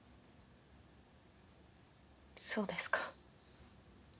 そうですか。